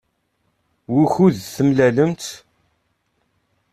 Wukud d-temlalemt?